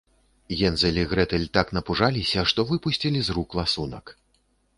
Гензель і Грэтэль так напужаліся, што выпусцілі з рук ласунак